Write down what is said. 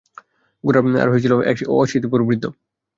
ঘোড়ার আরোহী ছিল এক অশীতিপর বৃদ্ধ।